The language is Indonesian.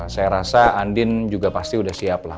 saya rasa andin juga pasti sudah selesai